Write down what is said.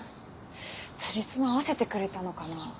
つじつま合わせてくれたのかな。